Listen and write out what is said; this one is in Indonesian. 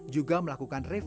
juga melakukan revisi